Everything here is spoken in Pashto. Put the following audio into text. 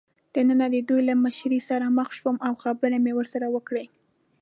دننه د دوی له مشرې سره مخ شوم او خبرې مې ورسره وکړې.